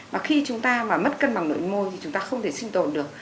và khi chúng ta mà mất cân bằng nội môi thì chúng ta không thể sinh tồn được